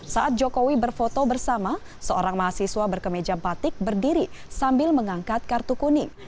saat jokowi berfoto bersama seorang mahasiswa berkemeja batik berdiri sambil mengangkat kartu kuning